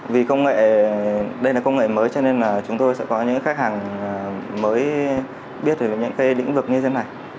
vì công nghệ đây là công nghệ mới cho nên là chúng tôi sẽ có những khách hàng mới biết về những cái lĩnh vực như thế này